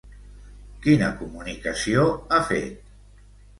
Quina comunicació ha fet?